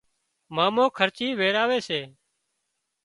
مامو خرچي ويراوي سي